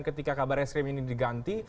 ketika kabar eskrim ini diganti